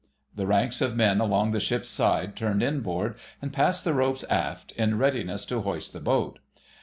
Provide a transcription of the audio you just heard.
The ranks of men along the ship's side turned inboard, and passed the ropes aft, in readiness to hoist the boat.